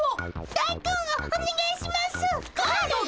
大根をおねがいしますっ！